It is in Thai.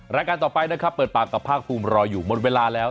รายการต่อไปนะครับเปิดปากกับภาคภูมิรออยู่หมดเวลาแล้ว